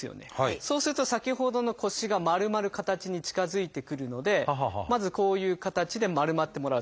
そうすると先ほどの腰が丸まる形に近づいてくるのでまずこういう形で丸まってもらうと。